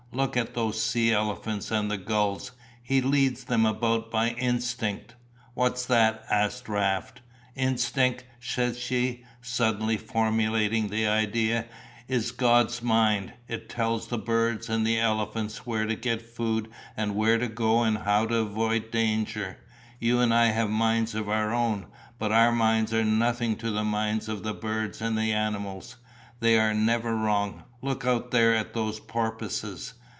Look at those sea elephants and the gulls; He leads them about by instinct." "What's that?" asked Raft. "Instinct," said she, suddenly formulating the idea, "is God's mind, it tells the birds and elephants where to get food and where to go and how to avoid danger; you and I have minds of our own, but our minds are nothing to the minds of the birds and animals. They are never wrong. Look out there at those porpoises."